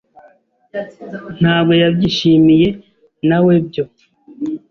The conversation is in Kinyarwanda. ntabwo yabyishimiye, nawebyo.